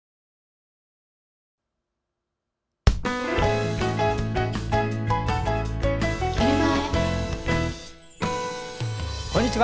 こんにちは。